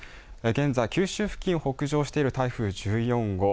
現在、九州付近を北上している台風１４号。